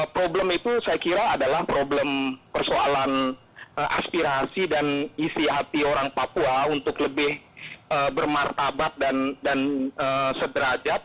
problem itu saya kira adalah problem persoalan aspirasi dan isi hati orang papua untuk lebih bermartabat dan sederajat